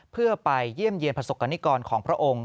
เพื่อไปเยี่ยมเยี่ยนประสบกรณิกรของพระองค์